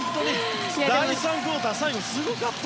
第３クオーター最後すごかった。